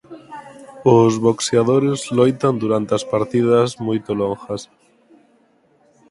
Os boxeadores loitan durante as partidas moito longas.